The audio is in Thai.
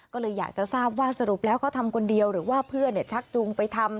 ก็เลยอยากจะทราบว่าสรุปแล้วเขาทำคนเดียวหรือว่าเพื่อนชักจูงไปทำ